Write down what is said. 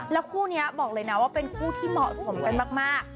แล้วคู่นี้บอกเลยนะว่าเป็นคู่ที่เหมาะสมกันมาก